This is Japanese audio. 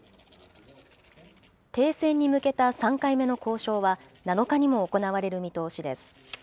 停戦に向けた３回目の交渉は、７日にも行われる見通しです。